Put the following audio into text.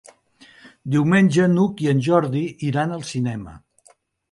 Diumenge n'Hug i en Jordi iran al cinema.